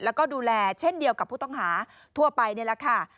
แล้วก็ดูแลเช่นเดียวกับผู้ต้องหาทั่วไปนี่แหละค่ะ